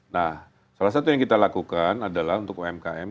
nah salah satu yang kita lakukan adalah untuk umkm